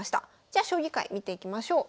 じゃ将棋界見ていきましょう。